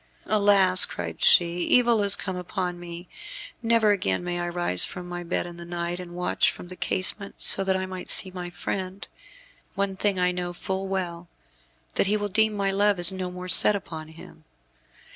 "Alas," cried she, "evil is come upon me. Never again may I rise from my bed in the night, and watch from the casement, so that I may see my friend. One thing I know full well, that he will deem my love is no more set upon him.